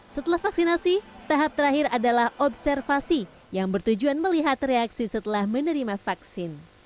setelah vaksinasi tahap terakhir adalah observasi yang bertujuan melihat reaksi setelah menerima vaksin